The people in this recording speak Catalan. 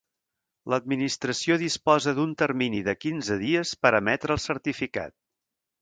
L'Administració disposa d'un termini de quinze dies per emetre el certificat.